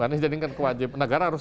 harus jadi kewajiban negara harus